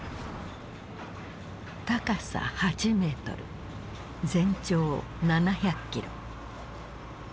高さ８メートル全長７００キロ。